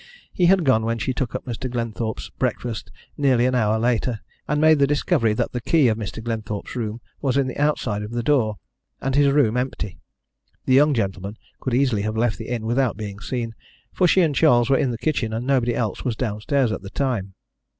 He had gone when she took up Mr. Glenthorpe's breakfast nearly an hour later, and made the discovery that the key of Mr. Glenthorpe's room was in the outside of the door, and his room empty. The young gentleman could easily have left the inn without being seen, for she and Charles were in the kitchen, and nobody else was downstairs at the time.